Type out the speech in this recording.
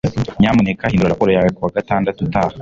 nyamuneka hindura raporo yawe kuwa gatandatu utaha